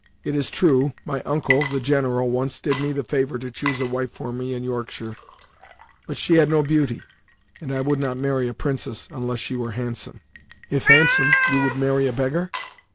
It is true, my uncle, the general, once did me the favor to choose a wife for me in Yorkshire; but she had no beauty and I would not marry a princess, unless she were handsome." "If handsome, you would marry a beggar?"